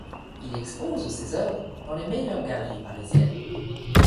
Il expose ses œuvres dans les meilleures galeries parisiennes.